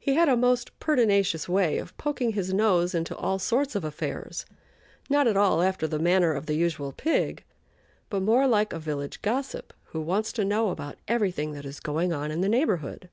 He had a most pertinacious way of poking his nose into all sorts of affairs, not at all after the manner of the usual pig, but more like a village gossip who wants to know about everything that is going on in the neighborhood.